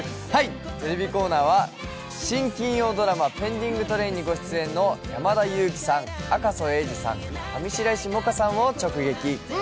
テレビコーナーは新金曜ドラマ「ペンディングトレイン」にご出演の山田裕貴さん、赤楚衛二さん、上白石萌歌さんを直撃。